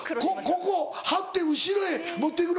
ここ貼って後ろへ持ってくの？